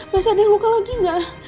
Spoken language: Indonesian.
masa ada yang luka lagi gak